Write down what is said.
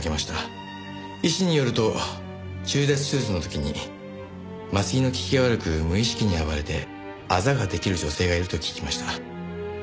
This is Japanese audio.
医師によると中絶手術の時に麻酔の効きが悪く無意識に暴れてアザが出来る女性がいると聞きました。